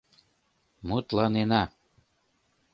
Мутланена...